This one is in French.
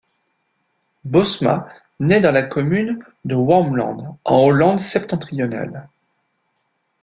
Bosma naît dans la commune de Wormerland, en Hollande-Septentrionale.